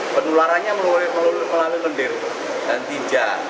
penularannya melalui lendir dan tinja